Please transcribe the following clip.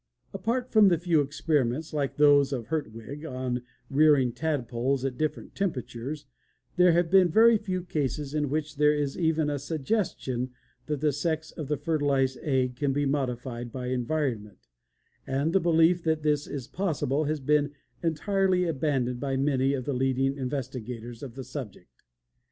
"Apart from the few experiments like those of Hertwig on rearing tadpoles at different temperatures, there have been a very few cases in which there is even a suggestion that the sex of the fertilized egg can be modified by environment, and the belief that this is possible has been entirely abandoned by many of the leading investigators of the subject.